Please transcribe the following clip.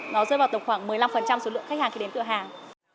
nó rơi vào tổng khoảng một mươi năm số lượng khách hàng khi đến cửa hàng